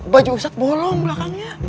baju ustaz bolong belakangnya